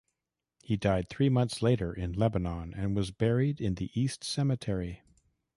He died three months later in Lebanon and was buried in the East Cemetery.